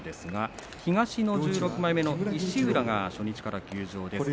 東の１６枚目の石浦が初日から休場です。